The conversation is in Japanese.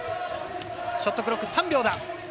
ショットクロック、３秒だ。